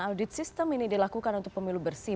audit sistem ini dilakukan untuk pemilu bersih